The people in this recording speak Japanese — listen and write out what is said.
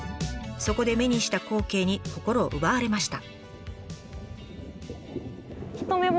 そこで目にした光景に心を奪われました。